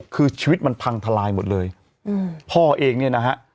คือชีวิตมันพังทลายหมดเลยอืมพ่อเองเนี่ยนะฮะ